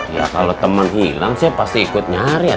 ya kalau temen hilang siapa yang ikut nyari ya